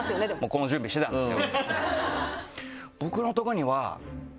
この準備してたんですよ。